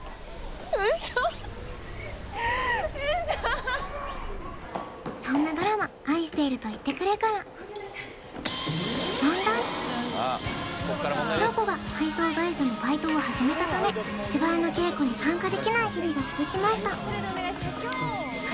ウソウソそんなドラマ「愛していると言ってくれ」からごめんなさい紘子が配送会社のバイトを始めたため芝居の稽古に参加できない日々が続きました